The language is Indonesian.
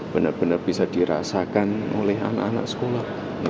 benar benar bisa dirasakan oleh anak anak sekolah